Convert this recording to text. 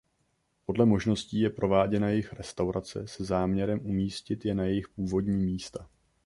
Podle možností je prováděna jejich restaurace se záměrem umístit je na jejich původní místa.